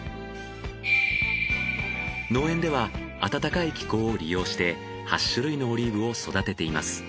農園では暖かい気候を利用して８種類のオリーブを育てています。